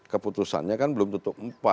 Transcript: keputusannya kan belum tutup empat